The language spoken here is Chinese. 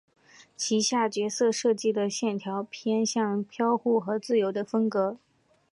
旗下角色设计的线条偏向飘忽和自由的风格。